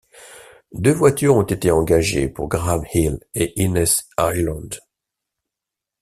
Deux voitures ont été engagées pour Graham Hill et Innes Ireland.